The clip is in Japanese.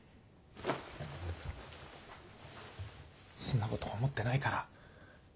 そんなこと思ってないから。